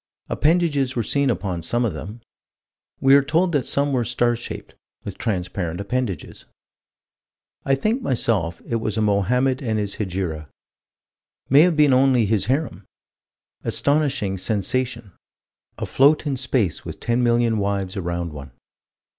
Appendages were seen upon some of them. We are told that some were star shaped, with transparent appendages. I think, myself, it was a Mohammed and his Hegira. May have been only his harem. Astonishing sensation: afloat in space with ten million wives around one.